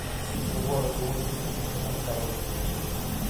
د اوبو لګولو نوي سیستمونه کارول کیږي.